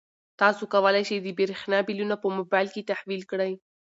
تاسو کولای شئ د برښنا بلونه په موبایل کې تحویل کړئ.